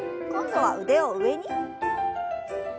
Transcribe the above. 今度は腕を上に。